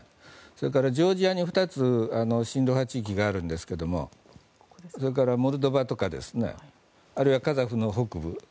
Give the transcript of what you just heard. それからジョージアに２つ親ロ派地域があるんですがそれから、モルドバとかあるいはカザフの北部。